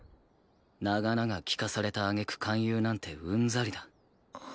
長々聞かされた揚げ句勧誘なんてうんざりだ。